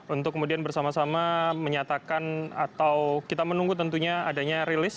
untuk kemudian bersama sama menyatakan atau kita menunggu tentunya adanya rilis